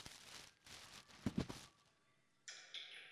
Píseň pochází z jeho šestého studiového alba "Progress".